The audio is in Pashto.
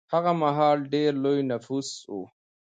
هغه مهال ډېر لوی نفوس و.